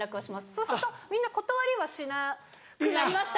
そうするとみんな断りはしなくなりました。